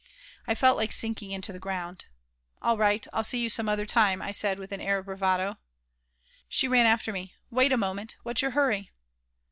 I felt like sinking into the ground. "All right, I'll see you some other time," I said, with an air of bravado She ran after me. "Wait a moment. What's your hurry?"